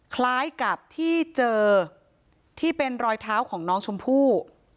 คล้ายกับที่เจอที่เป็นรอยเท้าของน้องชมพู่